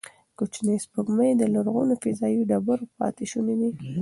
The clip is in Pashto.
کوچنۍ سپوږمۍ د لرغونو فضايي ډبرو پاتې شوني دي.